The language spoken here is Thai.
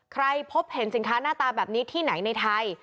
พบเห็นสินค้าหน้าตาแบบนี้ที่ไหนในไทย